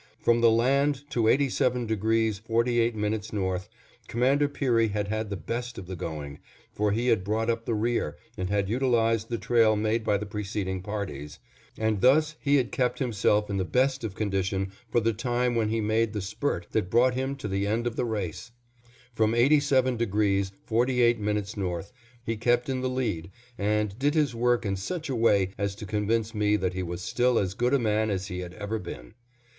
From the land to 87° 48' north, Commander Peary had had the best of the going, for he had brought up the rear and had utilized the trail made by the preceding parties, and thus he had kept himself in the best of condition for the time when he made the spurt that brought him to the end of the race. From 87° 48' north, he kept in the lead and did his work in such a way as to convince me that he was still as good a man as he had ever been.